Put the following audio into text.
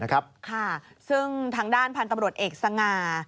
ค่ะซึ่งทางด้านพันธุ์ตำรวจเอกสง่า